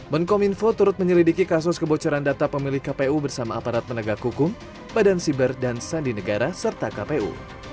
menkom info turut menyelidiki kasus kebocoran data pemilih kpu bersama aparat penegak hukum badan siber dan sandi negara serta kpu